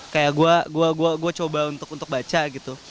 kayak gue coba untuk baca gitu